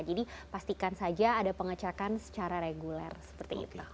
jadi pastikan saja ada pengecakan secara reguler seperti itu